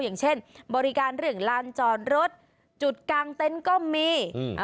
อย่างเช่นบริการเรื่องลานจอดรถจุดกลางเต็นต์ก็มีอืม